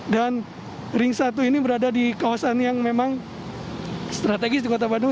dan ring satu ini berada di kawasan yang memang strategis di kota bandung